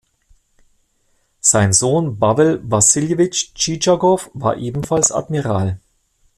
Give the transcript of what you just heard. Sein Sohn Pawel Wassiljewitsch Tschitschagow war ebenfalls Admiral.